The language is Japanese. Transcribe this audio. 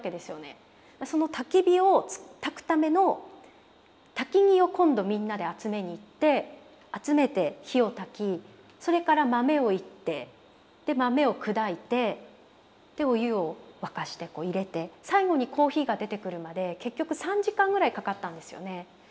そのたき火をたくための薪を今度みんなで集めに行って集めて火をたきそれから豆を煎ってで豆を砕いてお湯を沸かして入れて最後にコーヒーが出てくるまで結局３時間ぐらいかかったんですよね。